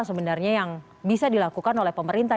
sebenarnya yang bisa dilakukan oleh pemerintah